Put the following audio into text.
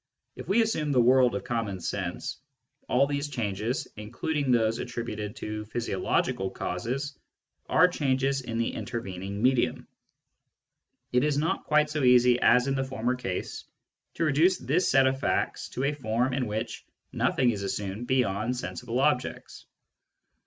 If we assume the world of common sense, all these changes, including those attributed to physio logical causes, are changes in the intervening medium. It is not quite so easy as in the former case to reduce this set of facts to a form in which nothing is assumed beyond sensible objects.